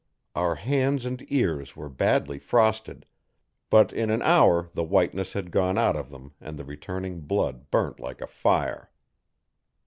Our hands and ears were badly frosted, but in an hour the whiteness had gone out of them and the returning blood burnt like a fire.